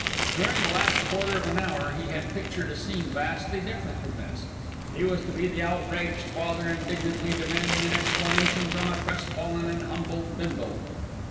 During the last quarter of an hour he had pictured a scene vastly different from this. He was to be the outraged father indignantly demanding an explanation from a crestfallen and humbled Bindle.